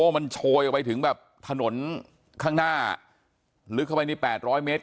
มันโชยออกไปถึงแบบถนนข้างหน้าลึกเข้าไปนี่๘๐๐เมตร